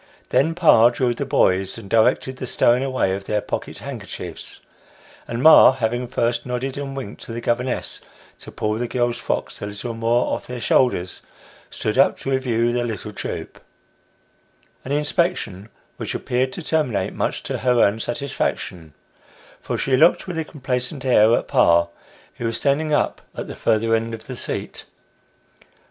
Then pa drilled the boys, and directed the stowing away of their pocket handkerchiefs, and ma having first nodded and winked to the governess to pull the girls' frocks a little more off their shoulders, stood up to review the little troop an inspection which appeared to terminate much to her own satisfaction, for she looked with a complacent air at pa, who was standing up at the further end of the seat.